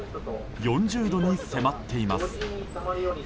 ４０度に迫っています。